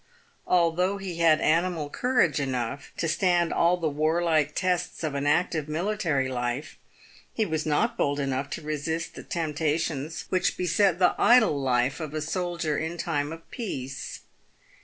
Although he had animal courage enough to stand all the warlike tests of an active mi litary life, he was not bold enough to resist the temptations which beset the idle life of a soldier in time of peace.